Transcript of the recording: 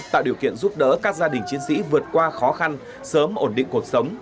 tạo điều kiện giúp đỡ các gia đình chiến sĩ vượt qua khó khăn sớm ổn định cuộc sống